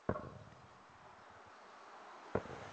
আমরা তার লেজ অনুসরণ করে তাকে খুঁজব।